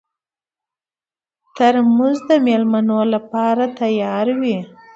ترموز د مېلمنو لپاره تیار وي.